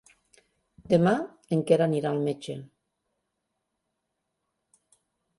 Demà en Quer anirà al metge.